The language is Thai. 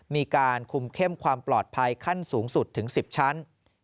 มีการคุมเข้มความปลอดภัยขั้นสูงสุดถึง๑๐ชั้น